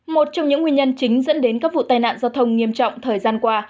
một trong những nguyên nhân chính dẫn đến các vụ tai nạn giao thông nghiêm trọng thời gian qua